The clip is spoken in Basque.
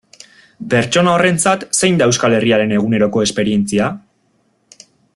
Pertsona horrentzat zein da Euskal Herriaren eguneroko esperientzia?